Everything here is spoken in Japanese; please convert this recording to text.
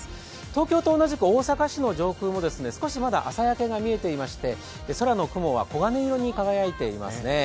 東京と同じく大阪市の上空も少しまだ朝焼けが見えていまして空の雲は黄金色の輝いていますね。